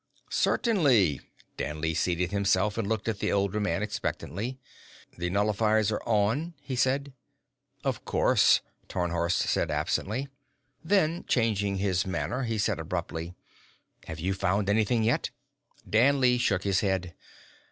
"Certainly." Danley seated himself and looked at the older man expectantly. "The nullifiers are on," he said. "Of course," Tarnhorst said absently. Then, changing his manner, he said abruptly: "Have you found anything yet?" Danley shook his head.